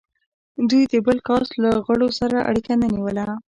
دوی د بل کاسټ له غړو سره اړیکه نه نیوله.